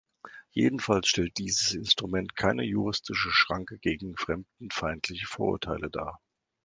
Jedenfalls stellt dieses Instrument keine juristische Schranke gegen fremdenfeindliche Vorurteile dar.